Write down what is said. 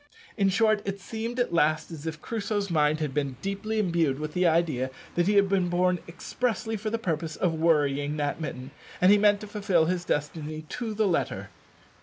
In short, it seemed at last as if Crusoe's mind had been deeply imbued with the idea that he had been born expressly for the purpose of worrying that mitten, and he meant to fulfil his destiny to the letter.